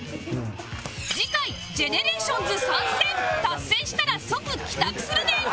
次回 ＧＥＮＥＲＡＴＩＯＮＳ 参戦達成したら即帰宅するねん